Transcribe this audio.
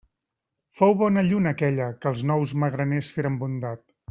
Fou bona lluna aquella, que els nous magraners feren bondat.